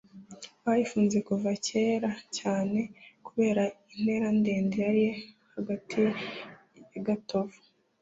bayifuje kuva kera cyane kubera intera ndende yari hagati ya gatovu